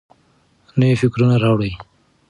نوي فکرونه راوړئ.